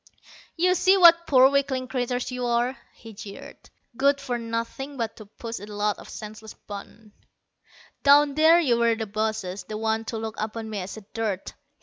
"You see what poor weakling creatures you are," he jeered. "Good for nothing but to push a lot of senseless buttons. Down there you were the bosses, the ones to look upon me as dirt.